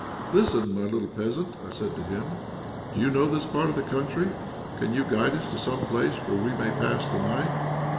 "Listen, my little peasant," said I to him, "do you know this part of the country? Can you guide us to some place where we may pass the night?"